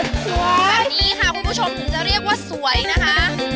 สวยแบบนี้ค่ะคุณผู้ชมถึงจะเรียกว่าสวยนะคะ